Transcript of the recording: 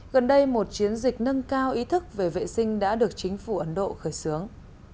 gần đây một chiến dịch nâng cao ý thức về vệ sinh đã được chính phủ ấn độ khởi xướng